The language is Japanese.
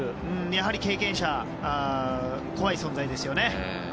やはり経験者、怖い存在ですね。